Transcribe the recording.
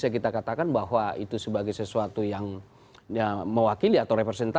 kita sudah terhitung